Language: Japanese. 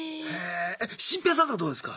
シンペイさんとかどうですか？